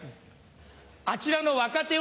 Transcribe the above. あちらの若手